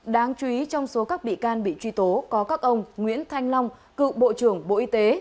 đáng chú ý trong số các bị can bị truy tố có các ông nguyễn thanh long cựu bộ trưởng bộ y tế